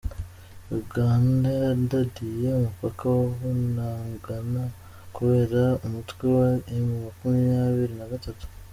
Uganda yadadiye umupaka wa Bunagana kubera umutwe wa emu makumyabiri nagatatu